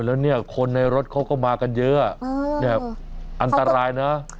แล้วเนี่ยคนในรถเขาก็มากันเยอะเนี่ยอันตรายนะ